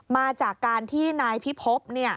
มาจากการที่นายพิพบ